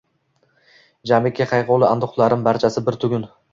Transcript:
Jamiki qayg’uli anduhlarim — barchasi bir tugun.